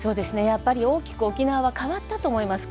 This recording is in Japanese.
やっぱり大きく沖縄は変わったと思います